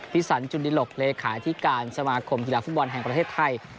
สันจุนดิหลกเลขาที่การสมาคมกีฬาฟุตบอลแห่งประเทศไทย